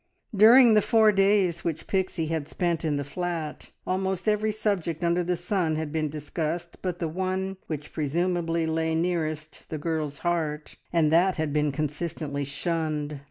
During the four days which Pixie had spent in the flat, almost every subject under the sun had been discussed but the one which presumably lay nearest the girl's heart, and that had been consistently shunned.